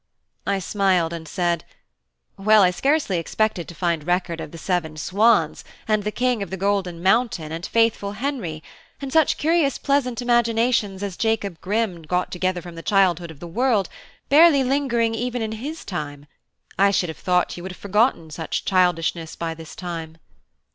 I smiled, and said: "Well, I scarcely expected to find record of the Seven Swans and the King of the Golden Mountain and Faithful Henry, and such curious pleasant imaginations as Jacob Grimm got together from the childhood of the world, barely lingering even in his time: I should have thought you would have forgotten such childishness by this time."